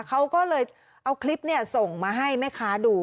เขาก็เลยเอาคลิปส่งมาให้แม่ค้าดู